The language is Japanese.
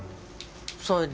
それで？